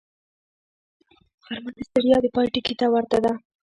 غرمه د ستړیا د پای ټکي ته ورته ده